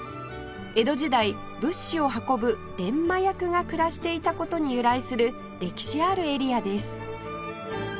江戸時代物資を運ぶ伝馬役が暮らしていた事に由来する歴史あるエリアです